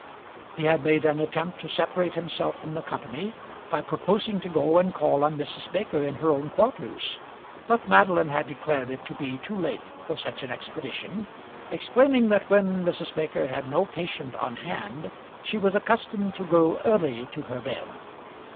He had made an attempt to separate himself from the company by proposing to go and call on Mrs. Baker in her own quarters; but Madeline had declared it to be too late for such an expedition, explaining that when Mrs. Baker had no patient on hand she was accustomed to go early to her bed.